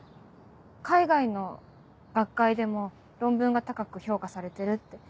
海外の学会でも論文が高く評価されてるって。